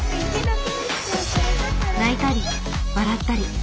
泣いたり笑ったり。